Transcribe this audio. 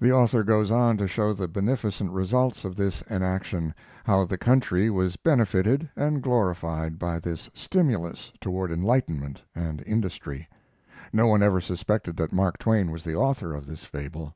The author goes on to show the beneficent results of this enaction; how the country was benefited and glorified by this stimulus toward enlightenment and industry. No one ever suspected that Mark Twain was the author of this fable.